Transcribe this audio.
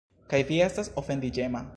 Kaj vi estas ofendiĝema.